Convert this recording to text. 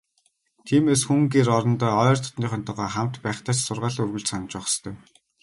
Тиймээс, хүн гэр орондоо ойр дотнынхонтойгоо хамт байхдаа ч сургаалаа үргэлж санаж байх ёстой.